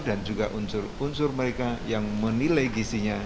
dan juga unsur unsur mereka yang menilai gizinya